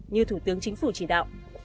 như thủ tướng chính phủ chỉ đạo